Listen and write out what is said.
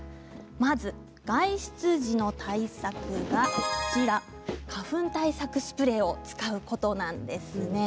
まず外出時の対策が花粉対策スプレーを使うことなんです。